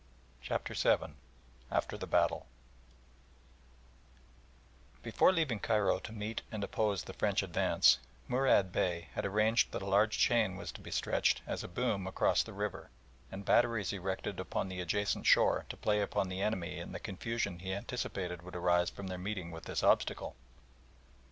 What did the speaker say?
CHAPTER VII AFTER THE BATTLE Before leaving Cairo to meet and oppose the French advance, Murad Bey had arranged that a large chain was to be stretched, as a boom, across the river, and batteries erected upon the adjacent shore to play upon the enemy in the confusion he anticipated would arise from their meeting with this obstacle.